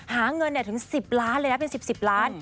หาเงินถึง๑๐ล้านเลยนะเป็น๑๐ล้าน